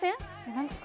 ・何ですか？